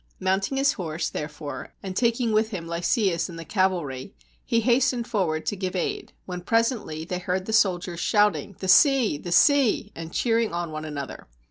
Mounting his horse, therefore, and taking with him Lycius and the cavalry, he hastened forward to give aid, when presently they heard the soldiers shouting, "The sea, the sea!" and cheering on one another.